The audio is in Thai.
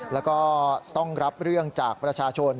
แล้วก็ต้องรับเรื่องจากประชาชน